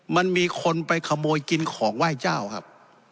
มันมีคนไปขโมยกินของไหว้เจ้าครับ